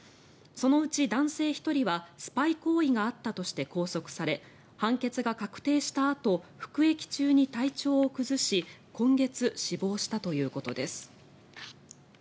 そのうち男性１人はスパイ行為があったとして拘束され判決が確定したあと服役中に体調を崩し今月、死亡したということです。